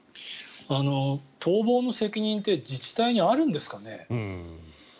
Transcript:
逃亡の責任って自治体にあるんですかね。